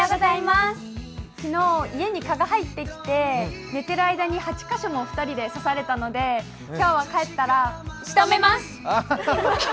昨日、家に蚊が入ってきて、寝ている間に８カ所も２人で刺されたので、今日は帰ったらしとめます！